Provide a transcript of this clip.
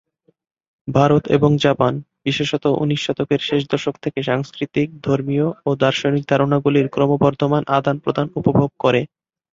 ভারত এবং জাপান, বিশেষত উনিশ শতকের শেষ দশক থেকে সাংস্কৃতিক, ধর্মীয় ও দার্শনিক ধারণাগুলির ক্রমবর্ধমান আদান-প্রদান উপভোগ করে।